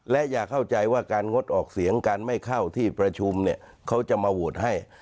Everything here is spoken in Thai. และอย่าเข้าใจว่าการงดออกเสียงการไม่เข้าที่ประชุมเนี่ยเขาจะมาโหวตให้